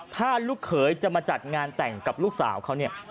ถ้าลูกเขยจะมาจัดงานแต่งกับลูกสาวเขาเนี่ย